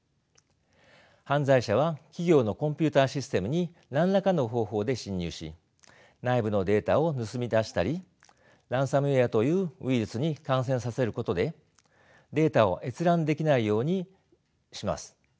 犯罪者は企業のコンピューターシステムに何らかの方法で侵入し内部のデータを盗み出したりランサムウェアというウイルスに感染させることでデータを閲覧できないようにします。